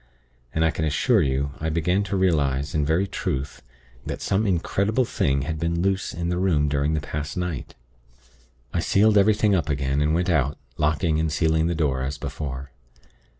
And I can assure you, I began to realize, in very truth, that some incredible thing had been loose in the room during the past night. I sealed up everything again, and went out, locking and sealing the door, as before.